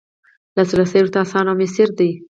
لاسرسی ورته اسانه او میسر دی.